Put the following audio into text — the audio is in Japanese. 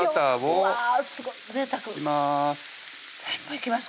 うわすごいぜいたくいきます